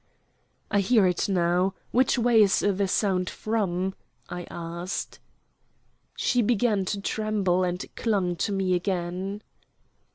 "I hear it now. Which way is the sound from?" I asked. She began to tremble, and clung to me again.